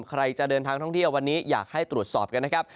ใครจะเดินทางท่องเที่ยววันนี้อยากให้ตรวจสอบกันนะครับ